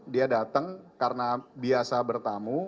dia datang karena biasa bertamu